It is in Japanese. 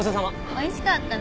おいしかったね。